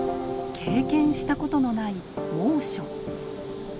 経験したことのない猛暑。